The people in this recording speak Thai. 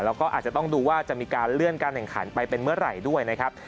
แล้วก็อาจจะต้องดูว่าจะมีการเลื่อนการแข่งขันไปเป็นเมื่อไหร่ด้วยนะครับ